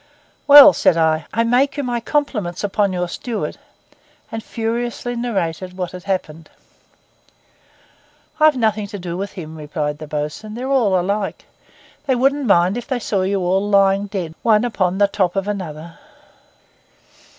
'Well,' said I, 'I make you my compliments upon your steward,' and furiously narrated what had happened. 'I've nothing to do with him,' replied the bo's'un. 'They're all alike. They wouldn't mind if they saw you all lying dead one upon the top of another.